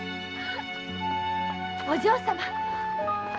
お嬢様！